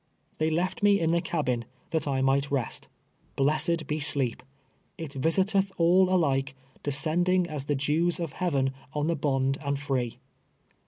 They left me in the cabin, tliat I might rest. Blessed be sleep ! It visiteth all alike, descending as the dews of heaven on the bond and free.